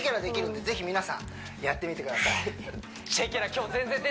ぜひ皆さんやってみてください